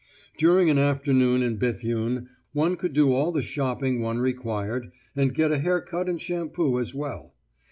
During an afternoon in Béthune one could do all the shopping one required, and get a hair cut and shampoo as well.